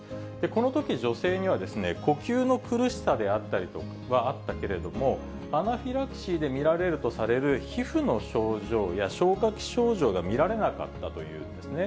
このとき、女性には呼吸の苦しさはあったけれども、アナフィラキシーで見られるとされる皮膚の症状や消化器症状が見られなかったというんですね。